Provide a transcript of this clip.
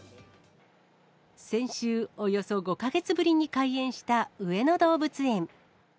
先週、およそ５か月ぶりに開園した上野動物園。